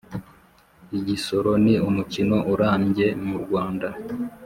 igisoro ni umukino urambye mu rwanda